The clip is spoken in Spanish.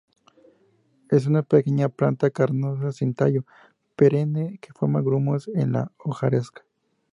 Es una pequeña planta carnosa, sin tallo, perenne que forma grumos en la hojarasca.